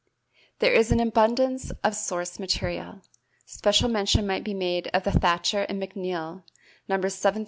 There is an abundance of source material. Special mention might be made of Thatcher and McNeal, Nos.